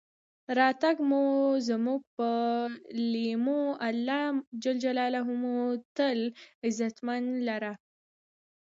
راتګ مو زمونږ پۀ لېمو، الله ج مو عزتمن لره.